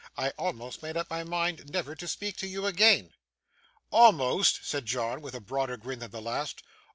'I almost made up my mind never to speak to you again.' 'A'most!' said John, with a broader grin than the last.